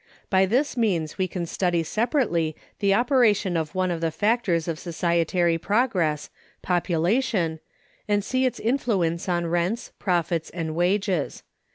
By this means we can study separately the operation of one of the factors of societary progress, Population, and see its influence on rents, profits, and wages.